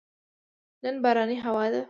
نن بارانې هوا ده